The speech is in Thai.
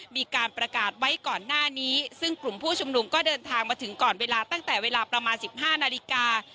มีการประกาศไว้ก่อนหน้านี้ซึ่งกลุ่มผู้ชุมนุมก็เดินทางมาถึงก่อนเวลาตั้งแต่เวลาประมาณสิบห้านาฬิกา